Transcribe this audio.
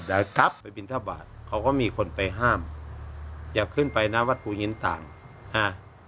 แต่ครับเขาก็มีคนไปห้ามอย่าขึ้นไปนะวัดภูหญิงต่างอ่ะ